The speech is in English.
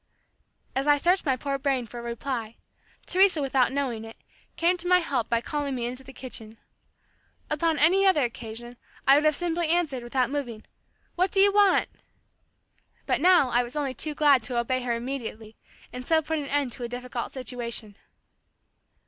As I searched my poor brain for a reply, Teresa without knowing it, came to my help by calling me into the kitchen. Upon any other occasion, I would have simply answered, without moving, "What do you want?" But now I was only too glad to obey her immediately and so put an end to a difficult situation.